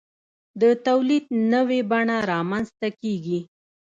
د تولید نوې بڼه رامنځته کیږي.